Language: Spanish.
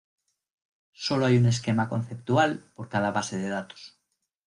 Solo hay un esquema conceptual por cada base de datos.